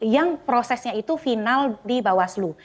yang prosesnya itu final di bawaslu